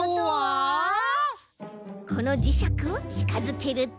このじしゃくをちかづけると。